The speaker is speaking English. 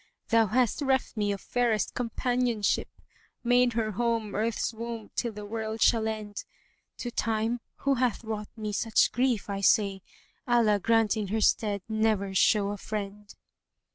Thou hast reft me of fairest companionship, * Made her home Earth's womb till the world shall end. To Time, who hath wrought me such grief, I say, * 'Allah grant in her stead never show a friend!